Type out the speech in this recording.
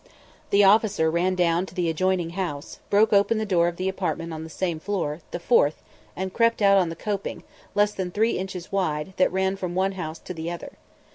The officer ran down to the adjoining house, broke open the door of the apartment on the same floor the fourth and crept out on the coping, less than three inches wide, that ran from one house to the other.